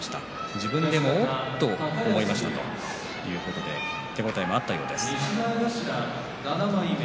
自分でも、お！っと思いましたということで手応えがあったようです。